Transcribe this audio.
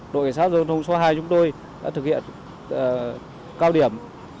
đội cảnh sát giao thông số hai chúng tôi đã thực hiện cao điểm